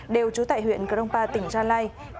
đều trú tại huyện grongpa tp đắk lắc